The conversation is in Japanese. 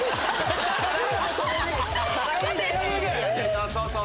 そうそうそう！